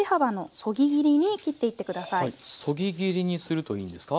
そぎ切りにするといいんですか？